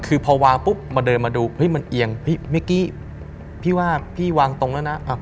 คือพอวางปุ๊บมาเดินมาดูเฮ้ยมันเอียงเมื่อกี้พี่ว่าพี่วางตรงแล้วนะ